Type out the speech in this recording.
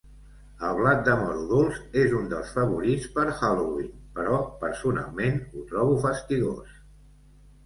El blat de moro dolç és un dels favorits per Halloween, però personalment ho trobo fastigós.